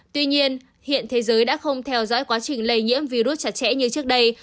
tuy nhiên hiện thế giới đã không theo dõi quá trình lây nhiễm virus chặt chẽ như trước đây